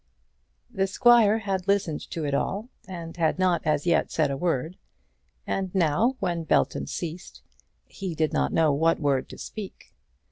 The squire had listened to it all, and had not as yet said a word. And now, when Belton ceased, he did not know what word to speak.